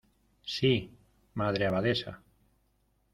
sí, Madre Abadesa.